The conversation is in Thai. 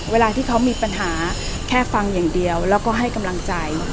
เวลาที่เขามีปัญหาแค่ฟังอย่างเดียวแล้วก็ให้กำลังใจ